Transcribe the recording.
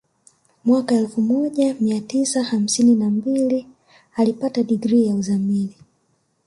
Mwaka elfu moja mia tisa hamsini na mbili alipata digrii ya uzamili